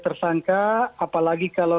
tersangka apalagi kalau